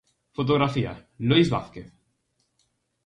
Fotografía: Lois Vázquez.